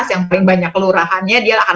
yang paling banyak kelurahannya dia akan